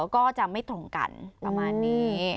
ก็จะไม่ตรงกันประมาณนี้